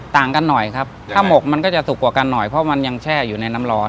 ต่างกันหน่อยครับถ้าหมกมันก็จะสุกกว่ากันหน่อยเพราะมันยังแช่อยู่ในน้ำร้อน